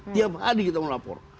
tiap hari kita mau lapor